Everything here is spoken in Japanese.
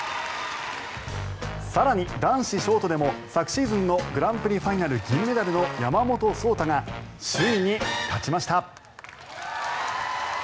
更に、男子ショートでも昨シーズンのグランプリファイナル銀メダルの山本草太が首位に立ちました。